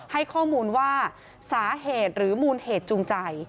ให้ข้อมูลว่าสาเหตุหรือมูลเหตุจูงใจ